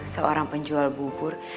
seorang penjual bubur